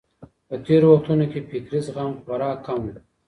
په تېرو وختونو کي فکري زغم خورا کم وو.